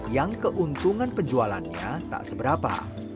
yang keuntungan penjualannya tak seberapa